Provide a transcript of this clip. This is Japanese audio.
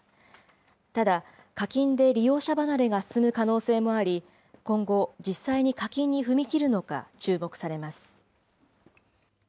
ただ、課金で利用者離れが進む可能性もあり、今後、実際に課金に踏み切るのか注目されます。